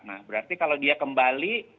nah berarti kalau dia kembali